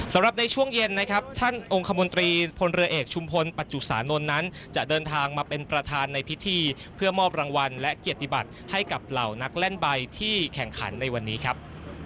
ในช่วงเย็นนะครับท่านองค์คมนตรีพลเรือเอกชุมพลปัจจุสานนท์นั้นจะเดินทางมาเป็นประธานในพิธีเพื่อมอบรางวัลและเกียรติบัติให้กับเหล่านักเล่นใบที่แข่งขันในวันนี้ครับ